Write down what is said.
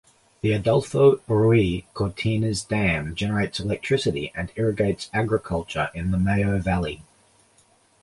The Adolfo Ruiz Cortines Dam generates electricity and irrigates agriculture in the Mayo Valley.